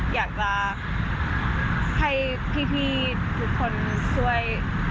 อยากจะให้พี่ทุกคนช่วย